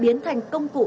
bị biến thành công cụ